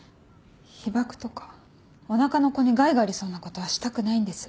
被ばくとかおなかの子に害がありそうなことはしたくないんです。